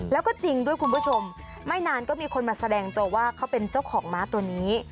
แล้วก็จริงด้วยคุณผู้ชมไม่นานก็มีคนมาแสดงตัวว่าเขาเป็นเจ้าของม้าตัวนี้